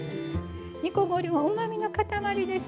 煮こごりもうまみの塊です。